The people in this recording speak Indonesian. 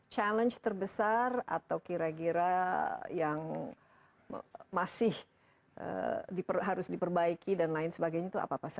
challenge terbesar atau kira kira yang masih harus diperbaiki dan lain sebagainya itu apa apa saja